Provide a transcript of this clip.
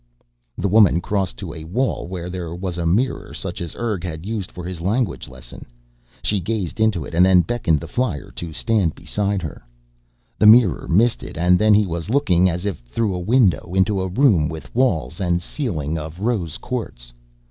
The woman crossed to a wall where there was a mirror such as Urg had used for his language lesson. She gazed into it and then beckoned the flyer to stand beside her. The mirror misted and then he was looking, as if through a window, into a room with walls and ceiling of rose quartz.